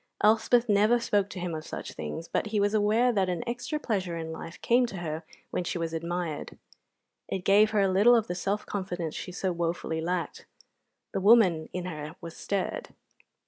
Elspeth never spoke to him of such things, but he was aware that an extra pleasure in life came to her when she was admired; it gave her a little of the self confidence she so wofully lacked; the woman in her was stirred.